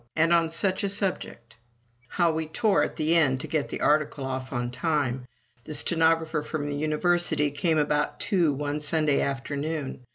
And on such a subject! How we tore at the end, to get the article off on time! The stenographer from the University came about two one Sunday afternoon.